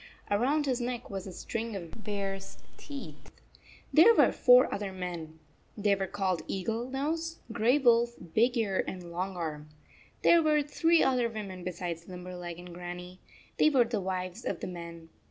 Around his neck was a string of bear s teeth. There were four other men. They were called Eagle Nose, Gray Wolf, Big Ear, and Long Arm. There were three other 34 women besides Limberleg and Grannie. They were the wives of the men.